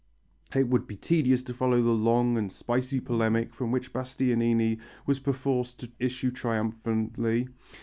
It would be tedious to follow the long and spicy polemic from which Bastianini was perforce to issue triumphantly.